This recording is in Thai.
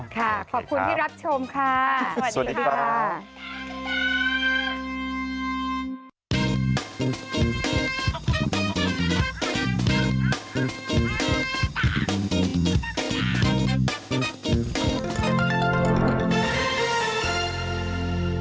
ขอบคุณที่รับชมค่ะ